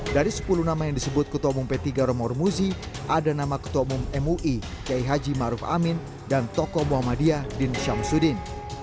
dari sepuluh nama yang disebut ketua umum p tiga romahur muzi ada nama ketua umum mui kiai haji maruf amin dan tokoh muhammadiyah din syamsuddin